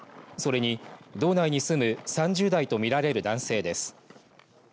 それに道内に住む３０代とみられる男性です。